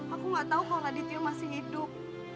aku gak tau kalau raditya masih hidup